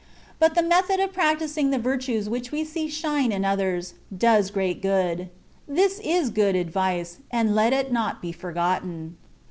But the method of practising the virtues which we see shine in others, does great good. This is good advice, and let it not be forgotten.